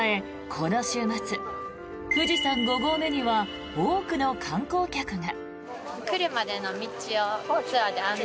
この週末、富士山五合目には多くの観光客が。